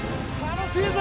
楽しいぜ！